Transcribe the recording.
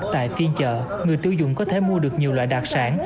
tại phiên chợ người tiêu dùng có thể mua được nhiều loại đặc sản